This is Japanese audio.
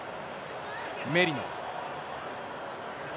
メリノ。